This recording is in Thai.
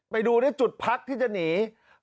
ไปดูในจุดพักที่จะหนี